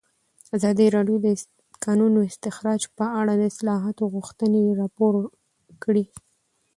ازادي راډیو د د کانونو استخراج په اړه د اصلاحاتو غوښتنې راپور کړې.